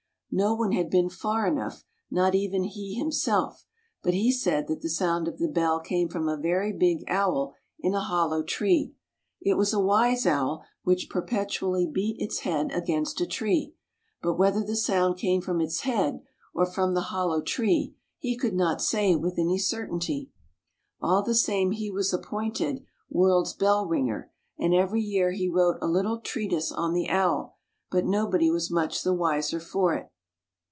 No one had been far enough, not even he himself, but he said that the sound of the bell came from a very big owl in a hollow tree; it was a wise owl, which perpetually beat its head against a tree, but whether the sound came from its head or from the hollow tree he could not say with any certainty. All the same he was appointed " world's bell ringer," and every year he wrote a little treatise on the owl, but nobody was much the wiser for it.